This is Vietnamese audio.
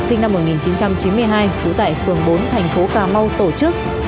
sinh năm một nghìn chín trăm chín mươi hai trú tại phường bốn thành phố cà mau tổ chức